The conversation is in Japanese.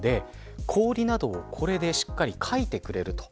氷などをこれでしっかりかいてくれます。